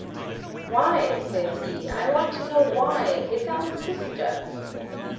Why, says he, I want to know why, his own sister?